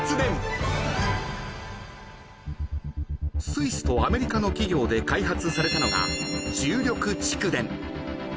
［スイスとアメリカの企業で開発されたのが］